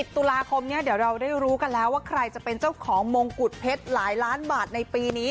ตุลาคมนี้เดี๋ยวเราได้รู้กันแล้วว่าใครจะเป็นเจ้าของมงกุฎเพชรหลายล้านบาทในปีนี้